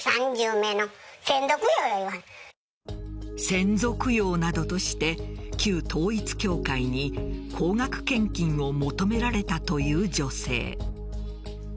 先祖供養などとして旧統一教会に高額献金を求められたという女性。